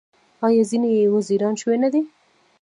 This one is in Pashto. آیا ځینې یې وزیران شوي نه دي؟